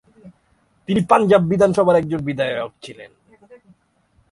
তিনি পাঞ্জাব বিধানসভার একজন বিধায়ক ছিলেন।